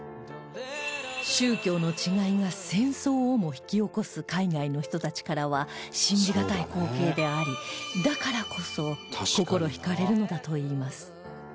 宗教の違いが戦争をも引き起こす海外の人たちからは信じがたい光景でありだからこそ心惹かれるのだといいます